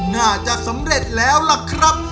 น่าจะสำเร็จแล้วล่ะครับ